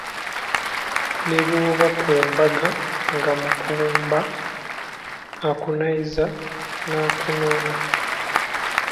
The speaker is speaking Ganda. "Ne bw’oba ku mbaga nga mukumba , akunaayiza n'akunona."